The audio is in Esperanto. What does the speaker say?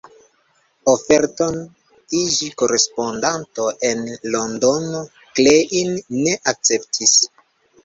Oferton iĝi korespondanto en Londono Klein ne akceptis.